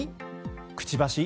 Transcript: くちばし？